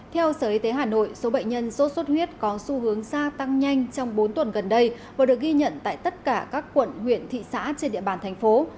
theo sở y tế hà nội số bệnh nhân sốt xuất huyết có xu hướng xa tăng nhanh trong bốn tuần gần đây và được ghi nhận tại tất cả các quận huyện thị xã trên địa bàn thành phố